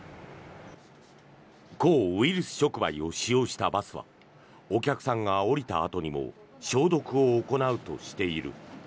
抗ウイルス触媒を使用したバスはお客さんが降りたあとにも消毒を行うとしている。